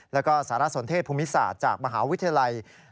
แล้วก็สารสนเทศภูมิศาสตร์จากมหาวิทยาลัย